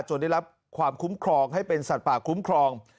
ได้รับความคุ้มครองให้เป็นสัตว์ป่าคุ้มครอง